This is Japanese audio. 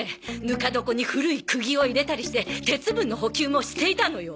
ぬか床に古い釘を入れたりして鉄分の補給もしていたのよ。